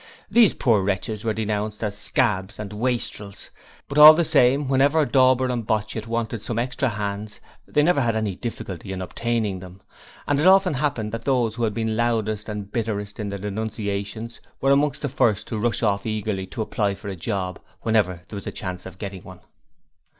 These poor wretches were denounced as 'scabs' and 'wastrels' by the unemployed workmen but all the same, whenever Dauber and Botchit wanted some extra hands they never had any difficulty in obtaining them, and it often happened that those who had been loudest and bitterest in their denunciations were amongst the first to rush off eagerly to apply there for a job whenever there was a chance of getting one.